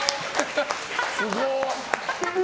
すごっ！